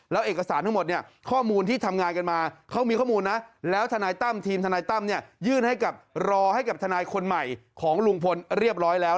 แล้วเอกสารทั้งหมดเนี่ยข้อมูลที่ทำงานกันมาเขามีข้อมูลนะแล้วทนายตั้มทีมทนายตั้มเนี่ยยื่นให้กับรอให้กับทนายคนใหม่ของลุงพลเรียบร้อยแล้ว